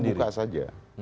ini buka saja